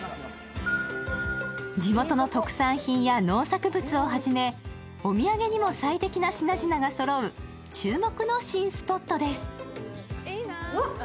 地元の特産品や農作物をはじめ、お土産にも最適な品々がそろう注目の新スポットです。